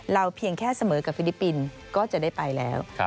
เพียงแค่เสมอกับฟิลิปปินส์ก็จะได้ไปแล้ว